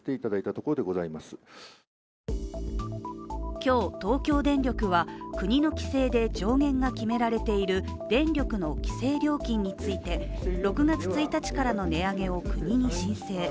今日、東京電力は国の規制で上限が決められている電力の規制料金について、６月１日からの値上げを国に申請。